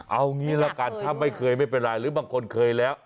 เอางี้ละกันถ้าไม่เคยไม่เป็นไรหรือบางคนเคยแล้ว